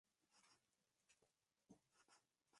En el Mediterráneo y Canarias.